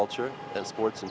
chúng tôi đã hợp tác